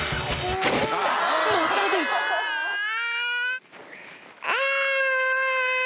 またですあ！